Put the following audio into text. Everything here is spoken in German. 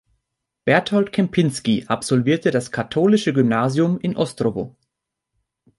Berthold Kempinski absolvierte das katholische Gymnasium in Ostrowo.